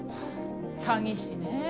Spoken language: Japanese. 詐欺師ね。